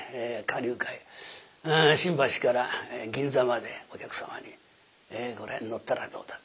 花柳界新橋から銀座までお客様に「これに乗ったらどうだ」